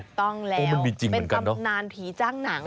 ถูกต้องแล้วเป็นตำนานผีจ้างหนัง